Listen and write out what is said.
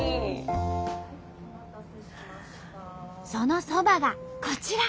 そのそばがこちら。